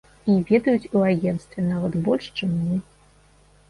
І ведаюць у агенцтве нават больш, чым мы.